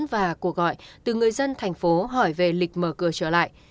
và cuộc gọi từ người dân tp hỏi về lịch mở cửa trở lại